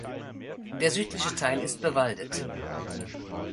Der südliche Teil ist bewaldet.